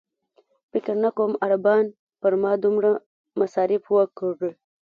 فکر نه کوم عربان پر ما دومره مصارف وکړي.